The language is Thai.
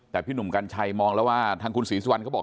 แต่พี่หนุ่มกัญชัยมองแล้วว่าทางคุณศรีสุวรรณเขาบอก